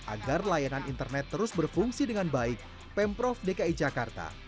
agar layanan internet terus berfungsi dengan baik pemprov dki jakarta